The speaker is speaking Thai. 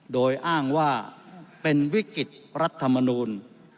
โดยอ้างว่าเป็นวิกฤตรัฐมนูล